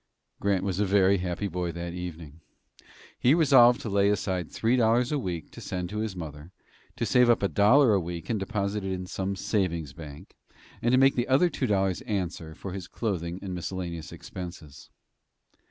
Grant was a very happy boy that evening. He resolved to lay aside three dollars a week to send to his mother, to save up a dollar a week and deposit it in some savings bank, and make the other two dollars answer for his clothing and miscellaneous expenses.